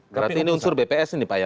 berarti ini unsur bps ini pak ya